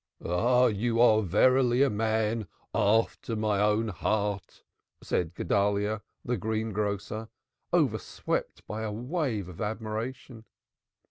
"Ah, you are verily a man after my own heart!" said Guedalyah, the greengrocer, overswept by a wave of admiration.